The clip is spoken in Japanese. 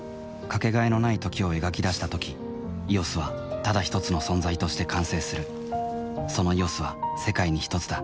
かけがえのない「時」を描き出したとき「ＥＯＳ」はただひとつの存在として完成するその「ＥＯＳ」は世界にひとつだ